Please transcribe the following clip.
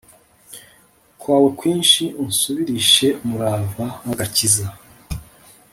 kwawe kwinshi Unsubirishe umurava w agakiza